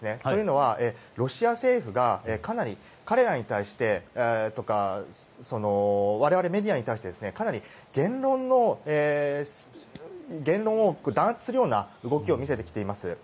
というのは、ロシア政府がかなり彼らに対してや我々、メディアに対して言論を弾圧するような動きを見せてきています。